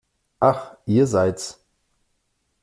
Ach, ihr seid's!